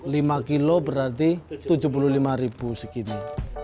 lima kilo berarti tujuh puluh lima ribu segini